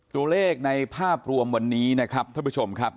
ตัวเลขในภาพรวมวันนี้นะครับท่านผู้ชมครับ